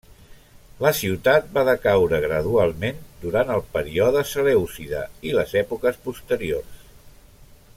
La ciutat va decaure gradualment durant el període selèucida i les èpoques posteriors.